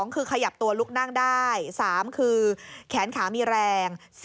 คือขยับตัวลุกนั่งได้๓คือแขนขามีแรง